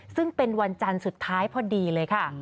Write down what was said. ซึ่งเป็นวันจันทร์สุดท้ายพอดีเลยค่ะ